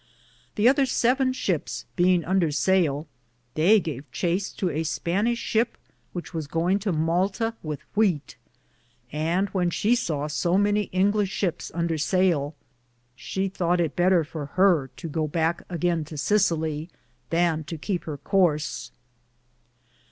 The other 7 ships beinge under saile, they gave chase to a Spainishe shipe which was goinge to Malta with wheate, and when she saw so many Inglishe ships under saile she thoughte it better for her to goo backe againe to Sesillia than to keepe her cource.